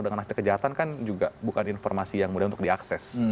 dengan hasil kejahatan kan juga bukan informasi yang mudah untuk diakses